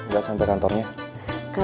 gak sampai kantornya